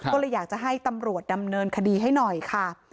ก็เลยอยากจะให้ตำรวจดำเนินคดีให้หน่อยค่ะ